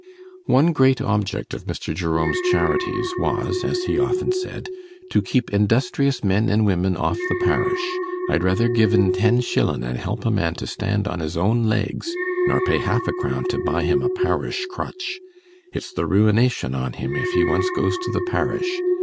One great object of Mr. Jerome's charities was, as he often said, 'to keep industrious men an' women off the parish. I'd rether given ten shillin' an' help a man to stand on his own legs, nor pay half a crown to buy him a parish crutch; it's the ruination on him if he once goes to the parish.